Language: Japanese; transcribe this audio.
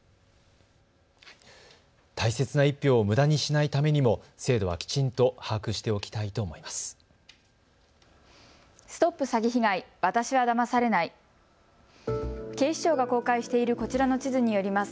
大切な１票をむだにしないためにも制度はきちんと把握しておきたいと思います。